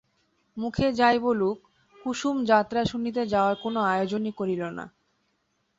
মুখে যাই বলুক, কুসুম যাত্রা শুনিতে যাওয়ার কোনো আয়োজনই করিল না।